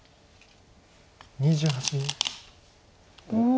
２８秒。